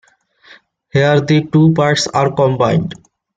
Here the two parts are combined.